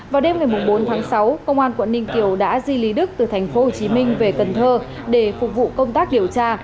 vào đêm ngày bốn tháng sáu công an quận ninh kiều đã di lý đức từ thành phố hồ chí minh về cần thơ để phục vụ công tác điều tra